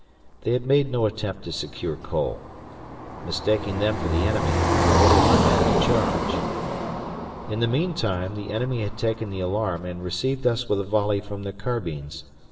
They had made no attempt to secure Cole. Mistaking them for the enemy, I ordered my men to charge. In the meantime the enemy had taken the alarm, and received us with a volley from their carbines.